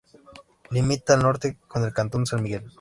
Limita al norte con el cantón San Miguel.